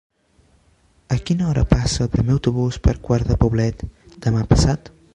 A quina hora passa el primer autobús per Quart de Poblet demà passat?